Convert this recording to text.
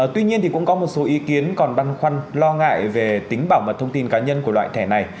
tuy nhiên cũng có một số ý kiến còn băn khoăn lo ngại về tính bảo mật thông tin cá nhân của loại thẻ này